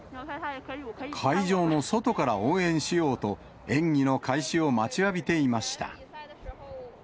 会場の外から応援しようと、演技の開始を待ちわびていました。